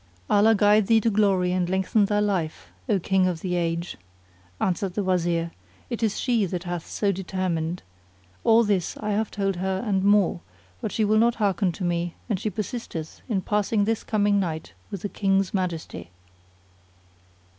"Allah guide thee to glory and lengthen thy life, O King of the age," answered the Wazir, "it is she that hath so determined: all this have I told her and more; but she will not hearken to me and she persisteth in passing this coming night with the King's Majesty."